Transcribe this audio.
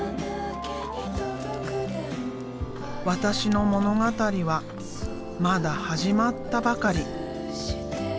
私の物語はまだ始まったばかり。